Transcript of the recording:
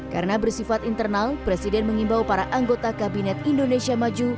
karena bersifat internal presiden mengimbau para anggota kabinet indonesia maju